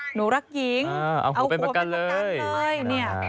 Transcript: หนูรักหญิงเอาหัวเป็นกันเลย